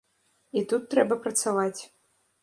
І тут трэба працаваць.